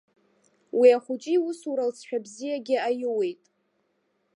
Уи ахәыҷы иусура алҵшәа бзиагьы аиуеит.